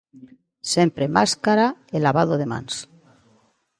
Sempre máscara e lavado de mans.